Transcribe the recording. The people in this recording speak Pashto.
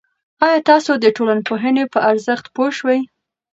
آیا تاسو د ټولنپوهنې په ارزښت پوه شوئ؟